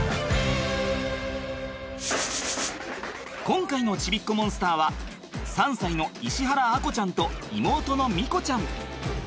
今回のちびっこモンスターは３歳の石原亜瑚ちゃんと妹の美瑚ちゃん。